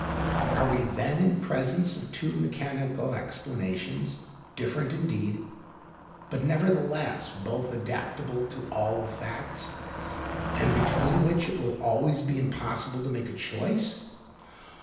Are we then in presence of two mechanical explanations, different indeed, but nevertheless both adaptable to all the facts, and between which it will always be impossible to make a choice?